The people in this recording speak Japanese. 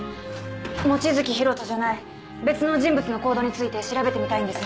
望月博人じゃない別の人物の行動について調べてみたいんです。